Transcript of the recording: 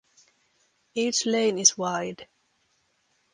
Each lane is wide.